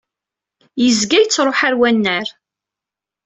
Yezga yettṛuḥu ar wannar.